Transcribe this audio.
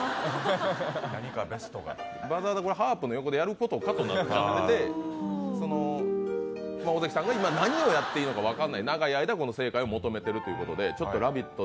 わざわざハープの横でやることかという尾関さんが今何をやっていいのか分からない、長い間、この正解を求めているということで、「ラヴィット！」